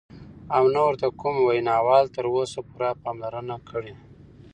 او نه ورته کوم وینا وال تر اوسه پوره پاملرنه کړې،